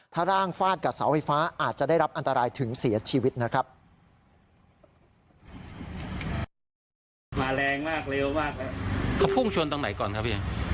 ถ้าร่างฟาดกับเสาไฟฟ้าอาจจะได้รับอันตรายถึงเสียชีวิตนะครับ